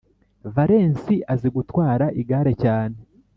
valensi azi gutwara igare cyane